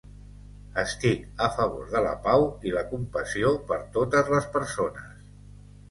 Estic a favor de la pau i la compassió per totes les persones.